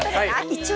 一応。